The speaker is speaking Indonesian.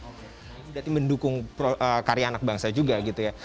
berarti mendukung karya anak bangsa juga gitu ya